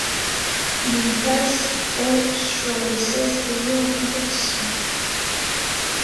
Il passe en sur les seize pays en compétition.